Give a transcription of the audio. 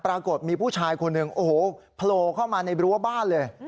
ปรากฏมีผู้ชายคนหนึ่งโอ้โหโผล่เข้ามาในรั้วบ้านเลย